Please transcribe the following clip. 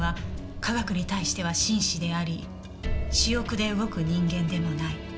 科学に対しては真摯であり私欲で動く人間でもない。